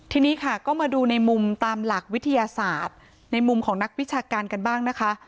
ทีนี้ค่ะก็มาดูในมุมตามหลักวิทยาศาสตร์ในมุมของนักวิชาการกันบ้างนะคะ